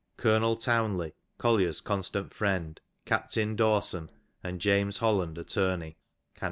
Colonel Townley, Collier's constant friend, Captain Dawson and James Holland attorney, (fi.)